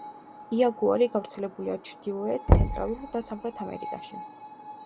იაგუარი გავრცელებულია ჩრდილოეთ, ცენტრალურ და სამხრეთ ამერიკაში.